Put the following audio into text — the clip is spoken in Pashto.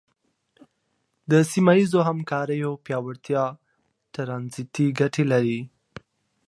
د سیمه ییزو همکاریو پیاوړتیا ترانزیټي ګټې لري.